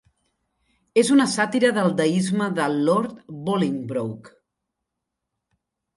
És una sàtira del deisme de Lord Bolingbroke.